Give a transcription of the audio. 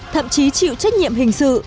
thậm chí chịu trách nhiệm hình sự